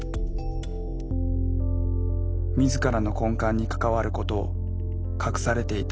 自らの根幹に関わることを隠されていた石塚さん。